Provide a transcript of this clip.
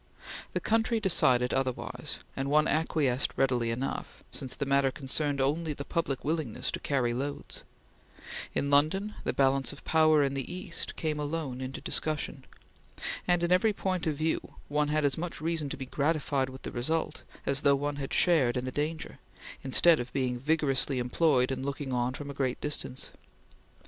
The country decided otherwise, and one acquiesced readily enough since the matter concerned only the public willingness to carry loads; in London, the balance of power in the East came alone into discussion; and in every point of view one had as much reason to be gratified with the result as though one had shared in the danger, instead of being vigorously employed in looking on from a great distance.